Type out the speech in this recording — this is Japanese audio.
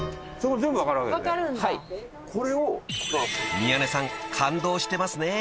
［宮根さん感動してますね］